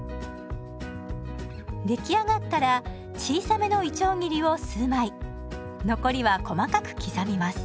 出来上がったら小さめのいちょう切りを数枚残りは細かく刻みます。